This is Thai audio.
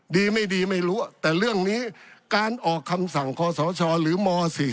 ดีไม่ดีไม่รู้แต่เรื่องนี้การออกคำสั่งคอสชหรือม๔๔